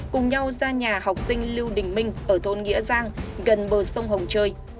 cùng nhau ra nhà học sinh lưu đình minh ở thôn nghĩa giang gần bờ sông hồng chơi